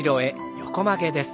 横曲げです。